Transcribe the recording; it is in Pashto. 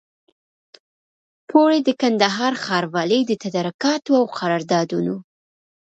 پوري د کندهار ښاروالۍ د تدارکاتو او قراردادونو